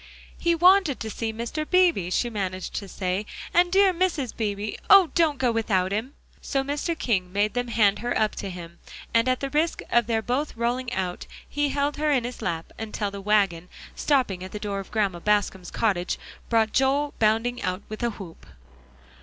"He wanted to see Mr. Beebe," she managed to say, "and dear Mrs. Beebe. Oh! don't go without him." So Mr. King made them hand her up to him, and at the risk of their both rolling out, he held her in his lap until the wagon, stopping at the door of Grandma Bascom's cottage, brought Joel bounding out with a whoop.